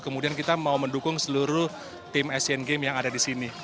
kemudian kita mau mendukung seluruh tim asian games yang ada di sini